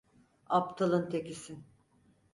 Aptalın tekisin!